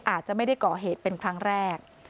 อาจจะไม่ได้ก่อเหตุเป็นครั้งแรก